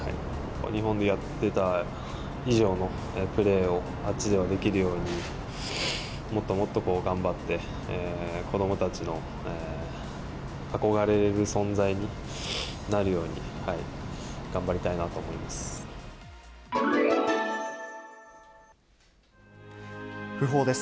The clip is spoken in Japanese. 日本でやってた以上のプレーを、あっちではできるように、もっともっとこう頑張って、子どもたちの憧れる存在になるように頑張りたいなと思います。